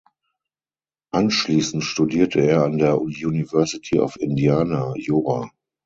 Anschließend studierte er an der University of Indiana Jura.